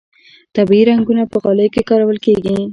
طبیعي رنګونه په غالیو کې کارول کیږي